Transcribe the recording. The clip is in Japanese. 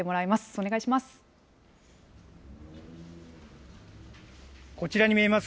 お願いします。